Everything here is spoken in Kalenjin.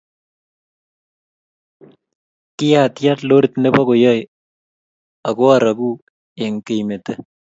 kiatya lorit nebo kayoe ako araku eng' keimete.